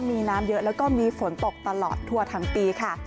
มีน้ำเยอะแล้วก็มีฝนตกตลอดทั่วทั้งปีค่ะ